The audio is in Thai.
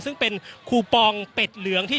อย่างที่บอกไปว่าเรายังยึดในเรื่องของข้อ